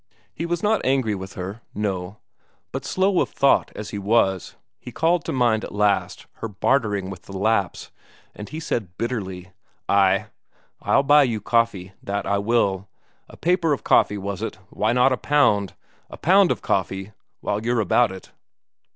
He was not angry with her, no; but, slow of thought as he was, he called to mind at last her bartering with the Lapps, and he said bitterly: "Ay, I'll buy you coffee, that I will. A paper of coffee, was it? Why not a pound? A pound of coffee, while you're about it."